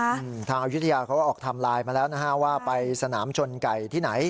อืมทางอายุทยาเขาก็ออกทำไลน์มาแล้วนะฮะว่าไปสนามชนไก่ที่ไหน